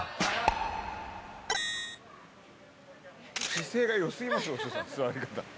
姿勢が良過ぎますよお師匠さん座り方。